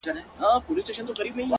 پوه انسان د حقیقت په لټه کې وي.